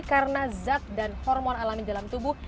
karena zat dan hormon alami dalam tubuh